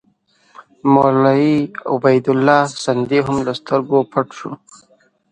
مولوي عبیدالله سندي هم له سترګو پټ شو.